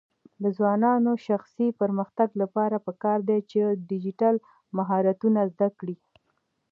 د ځوانانو د شخصي پرمختګ لپاره پکار ده چې ډیجیټل مهارتونه زده کړي.